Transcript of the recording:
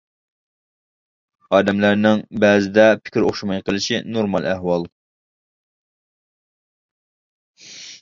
ئادەملەرنىڭ بەزىدە پىكرى ئوخشىماي قېلىشى نورمال ئەھۋال.